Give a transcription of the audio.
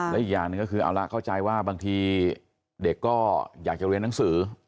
และอีกอย่างหนึ่งก็คือเอาละเข้าใจว่าบางทีเด็กก็อยากจะเรียนหนังสือ